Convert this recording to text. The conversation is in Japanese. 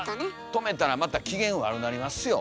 止めたらまた機嫌悪なりますよ。